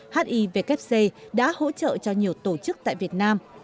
hivc đã hỗ trợ cho nhiều tổ chức tại việt nam